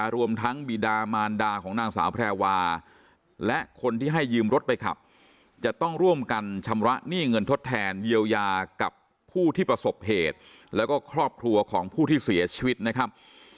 รวมทั้งบีดามารดาของนางสาวแพรวาและคนที่ให้ยืมรถไปขับจะต้องร่วมกันชำระหนี้เงินทดแทนเยียวยากับผู้ที่ประสบเหตุแล้วก็ครอบครัวของผู้ที่เสียชีวิตนะครับ